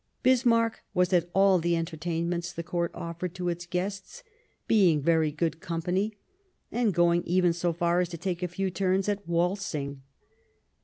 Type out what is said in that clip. Bismarck was at all the entertainments the Court offered to its guests, being very good company, and going even so far as to take a few turns at waltzing.